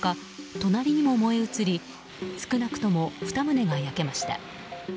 隣にも燃え移り少なくとも２棟が焼けました。